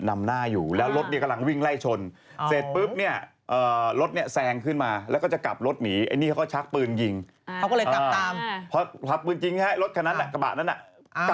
ตั้งแต่ยิงทั้งแรกก่อนจะกลับรถมาไล่ตาม